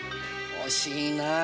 惜しいなぁ。